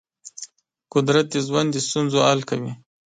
قدرت د ژوند د ستونزو حل کوي.